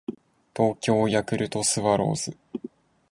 東京ヤクルトスワローズ